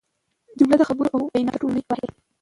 جمله د خبرو او ویناوو تر ټولو لوی واحد دئ.